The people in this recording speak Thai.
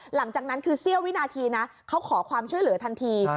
หลังจากนั้นคือเสี้ยววินาทีนะเขาขอความช่วยเหลือทันที